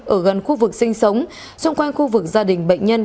ở gần khu vực sinh sống xung quanh khu vực gia đình bệnh nhân